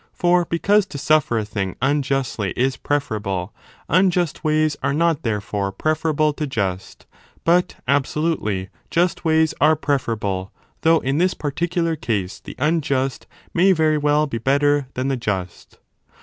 For because to suffer a thing unjustly is preferable, unjust ways are not therefore prefer 3 o able to just ; but, absolutely, just ways are preferable, though in this particular case the unjust may very well be better than the just.